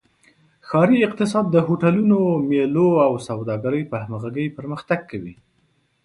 ښاري اقتصاد د هوټلونو، میلو او سوداګرۍ په همغږۍ پرمختګ کوي.